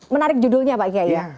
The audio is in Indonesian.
menarik judulnya pak gaya